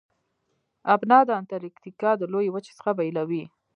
ابنا د انتارکتیکا د لویې وچې څخه بیلوي.